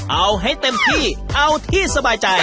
เอาให้เต็มที่เอาที่สบายใจ